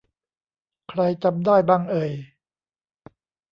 ใครจำได้บ้างเอ่ย